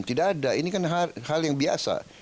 tidak ada ini kan hal yang biasa